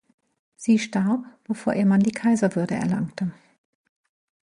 Sie starb, bevor ihr Mann die Kaiserwürde erlangte.